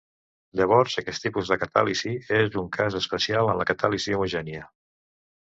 Llavors aquest tipus de catàlisi és un cas especial de la catàlisi homogènia.